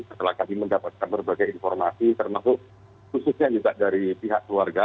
setelah kami mendapatkan berbagai informasi termasuk khususnya juga dari pihak keluarga